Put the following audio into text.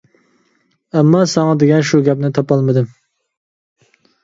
ئەمما ساڭا دېگەن شۇ گەپنى تاپالمىدىم.